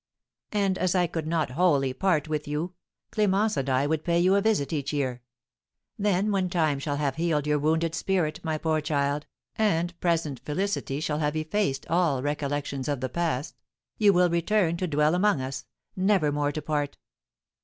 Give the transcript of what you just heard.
"And as I could not wholly part with you, Clémence and I would pay you a visit each year. Then when time shall have healed your wounded spirit, my poor child, and present felicity shall have effaced all recollections of the past, you will return to dwell among us, never more to part."